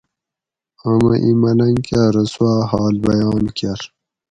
امہ اِیں ملنگ کہ ارو سُواۤ حال بیان کر